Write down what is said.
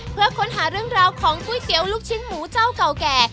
เพื่อค้นหาเรื่องราวของก๋วยเตี๋ยวลูกชิ้นหมูเจ้าเก่าแก่